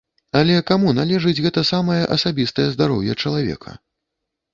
Але каму належыць гэта самае асабістае здароўе чалавека?